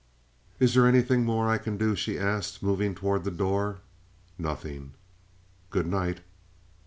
"Is there anything more that I can do?" she asked, moving toward the door. "Nothing." "Good night."